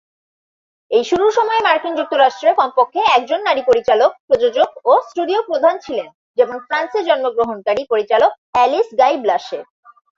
এই শুরুর সময়ে মার্কিন যুক্তরাষ্ট্রে কমপক্ষে একজন নারী পরিচালক, প্রযোজক ও স্টুডিও প্রধান ছিলেন, যেমন ফ্রান্সে জন্মগ্রহণকারী পরিচালক অ্যালিস গাই-ব্লাশে।